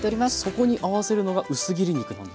そこに合わせるのが薄切り肉なんですね。